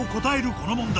この問題